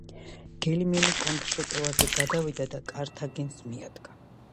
გელიმერი კონტრშეტევაზე გადავიდა და კართაგენს მიადგა.